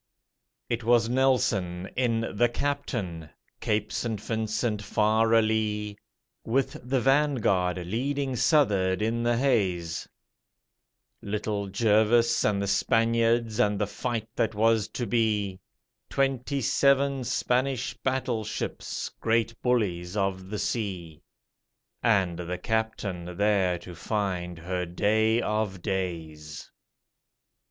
_ It was Nelson in the 'Captain', Cape St. Vincent far alee, With the 'Vanguard' leading s'uth'ard in the haze Little Jervis and the Spaniards and the fight that was to be, Twenty seven Spanish battleships, great bullies of the sea, And the 'Captain' there to find her day of days.